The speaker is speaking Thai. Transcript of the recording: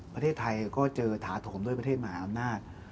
ประเทศไทยก็เจอถาโถมด้วยประเทศมหาอำนาจ